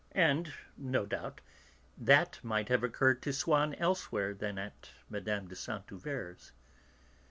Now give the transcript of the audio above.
And, no doubt, that might have occurred to Swann elsewhere than at Mme. de Saint Euverte's.